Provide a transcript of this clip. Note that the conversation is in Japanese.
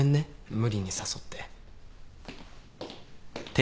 無理に誘って。